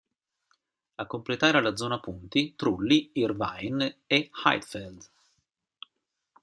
A completare la zona punti Trulli, Irvine e Heidfeld.